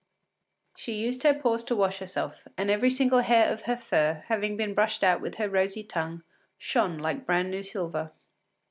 She used her paws to wash herself, and every single hair of her fur, having been brushed out with her rosy tongue, shone like brand new silver.